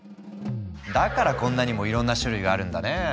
だからこんなにもいろんな種類があるんだね。